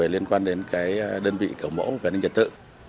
liên quan đến đơn vị kiểu mẫu về an ninh trật tự